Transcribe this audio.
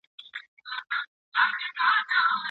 په قلم لیکنه کول د تیرو یادونو د ژوندي ساتلو لاره ده.